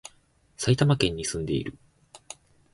埼玉県に住んでいる